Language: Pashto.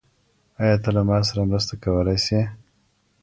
ايا ته له ما سره مرسته کولای سې؟